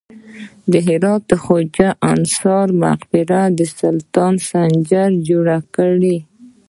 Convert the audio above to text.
د هرات د خواجه انصاري مقبره د سلطان سنجر جوړه کړې